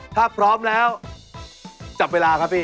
ถ้าพร้อมแล้วจับเวลาครับพี่